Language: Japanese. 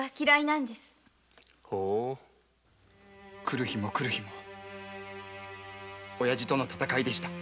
来る日も来る日もおやじとの戦いでした。